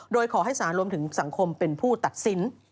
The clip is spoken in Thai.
โดยขอให้สารรวมถึงสังคมเป็นผู้ตัดสิน